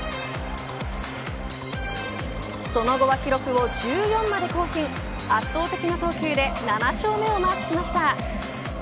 その後は記録を１４まで更新圧倒的な投球で７勝目をマークしました。